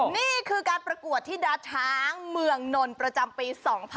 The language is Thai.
นี่คือการประกวดธิดาช้างเมืองนนท์ประจำปี๒๕๖๒